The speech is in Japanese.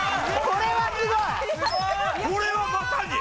これはまさに。